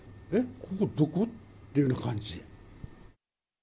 ここどこ？っていうような感じ。